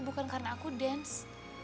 bukan karena aku dance